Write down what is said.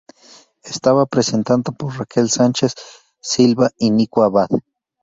Estaba presentado por Raquel Sánchez-Silva y Nico Abad.